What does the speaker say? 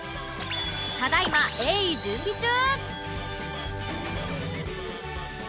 ただ今鋭意準備中！